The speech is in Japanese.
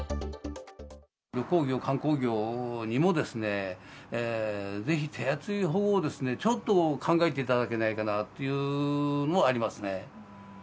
旅行業、観光業にも、ぜひ、手厚い保護を、ちょっと考えていただけないかなっていうのもありますね。